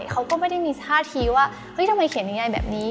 เขาก็ไม่ได้มีท่าทีว่าเฮ้ยทำไมเขียนยังไงแบบนี้